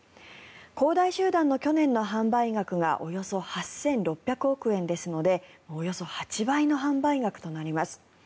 恒大集団の去年の販売額がおよそ８６００億円ですのでおよそ８倍の販売額となります。